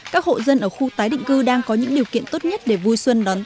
các hộ dân ở khu tái định cư đang có những điều kiện tốt nhất để vui xuân đón tết